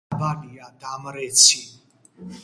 ნაპირები დაბალია, დამრეცი.